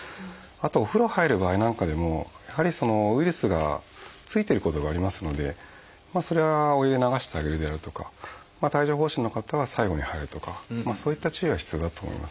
あとお風呂入る場合なんかでもやはりウイルスが付いてることがありますのでそれはお湯で流してあげるであるとか帯状疱疹の方は最後に入るとかそういった注意は必要だと思います。